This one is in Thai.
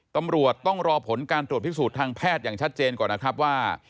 ตำรวจต้องรอผลการตรวจพิสูจน์ทางแพทย์อย่างชัดเจนก่อนนะครับว่า